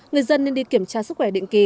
người dân nên đi kiểm tra sức khỏe định kỳ